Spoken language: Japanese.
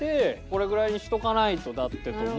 これぐらいにしとかないとだってと思ったらよ